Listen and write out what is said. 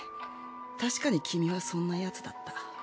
確かに君はそんなヤツだった。